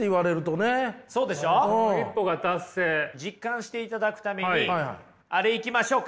実感していただくためにあれいきましょうか。